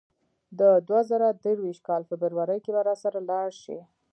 د دوه زره درویشت کال فبرورۍ کې به راسره لاړ شې.